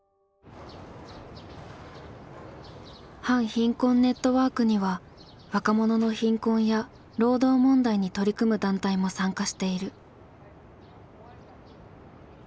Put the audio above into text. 反貧困ネットワークには若者の貧困や労働問題に取り組む団体も参加している。